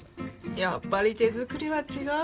やっぱり手作りは違うわ。